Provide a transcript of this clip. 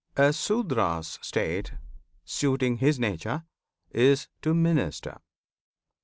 A Sudra's state, Suiting his nature, is to minister.